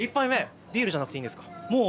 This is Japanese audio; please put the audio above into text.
ビールじゃなくていいんですか？